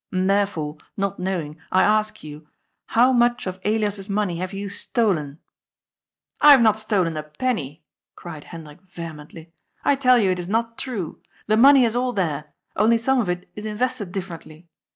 And therefore, not knowing, I ask you : How much of Elias's money have you stolen?" " I have not stolen a penny," cried Hendrik vehemently. " I tell you it is not true. The money is all there ; only some of it is invested differently.